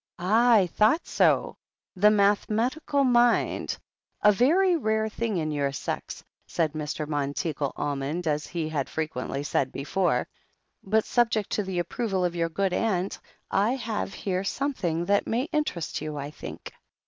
"Ah! I thought so. The mathematical mind! A THE HEEL OF ACHILLES 93 very rare thing in your sex," said Mr. Monteagle Al mond, as he had frequently said before. "But subject to the approval of your good aunt, I have here some thing that may interest you, I think."